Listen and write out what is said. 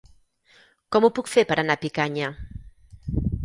Com ho puc fer per anar a Picanya?